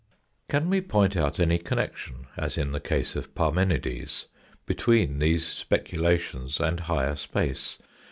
Can we point out any connection, as in the case of Parmenides, between these speculations and higher space